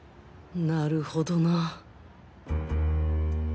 なるほどな